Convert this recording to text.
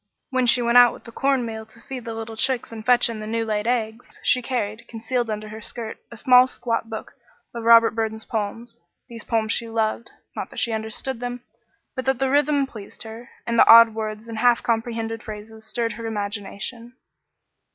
When she went out with the corn meal to feed the little chicks and fetch in the new laid eggs, she carried, concealed under her skirt, a small, squat book of Robert Burns' poems. These poems she loved; not that she understood them, but that the rhythm pleased her, and the odd words and half comprehended phrases stirred her imagination.